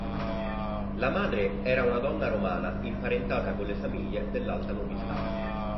La madre era una donna romana imparentata con le famiglie dell'alta nobiltà.